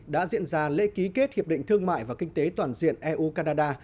đã diễn ra lễ ký kết hiệp định thương mại và kinh tế toàn diện eu canada